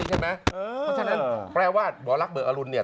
เพราะฉะนั้นหมอรักเบิกอรุณเนี่ย